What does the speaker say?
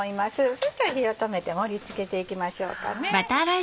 そしたら火を止めて盛り付けていきましょうか。